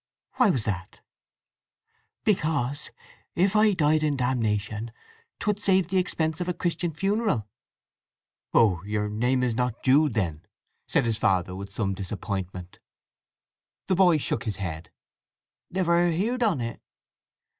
"Why was that?" "Because, if I died in damnation, 'twould save the expense of a Christian funeral." "Oh—your name is not Jude, then?" said his father with some disappointment. The boy shook his head. "Never heerd on it."